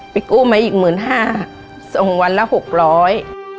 เป็นกู้ไม้อีกหมึนห้าส่งวันละหกร้อย